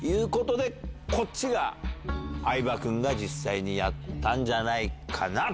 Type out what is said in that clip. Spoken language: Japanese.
こっちが相葉君が実際にやったんじゃないかなと。